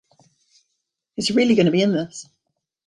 Is he really going to be in this?